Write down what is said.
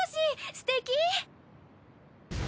すてき！